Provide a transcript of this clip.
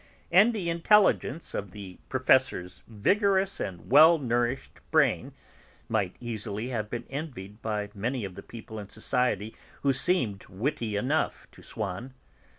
And the intelligence of the Professor's vigorous and well nourished brain might easily have been envied by many of the people in society who seemed witty enough to Swann.